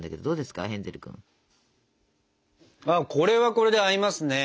これはこれで合いますね。